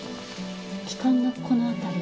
気管のこのあたり。